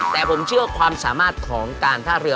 แต่ผมเชื่อความสามารถของการท่าเรือ